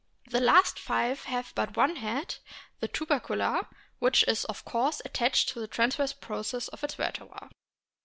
The last five have but one head, the tubercular, which is of course attached to the transverse process of its vertebra.